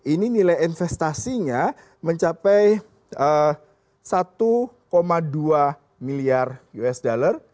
ini nilai investasinya mencapai satu dua miliar usd